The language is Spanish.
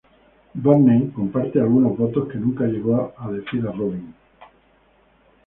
Barney comparte algunos votos que nunca llegó a decir a Robin.